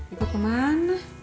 ikut ke mana